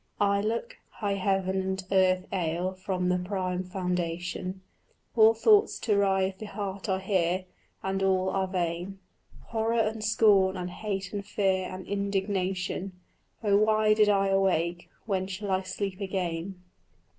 Ay, look: high heaven and earth ail from the prime foundation; All thoughts to rive the heart are here, and all are vain: Horror and scorn and hate and fear and indignation Oh why did I awake? when shall I sleep again?